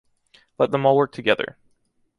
Let them all work together.